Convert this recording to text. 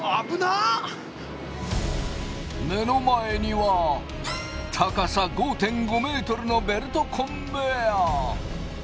目の前には高さ５．５ｍのベルトコンベヤー。